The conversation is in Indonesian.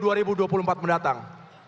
dua ribu dua puluh empat mendatang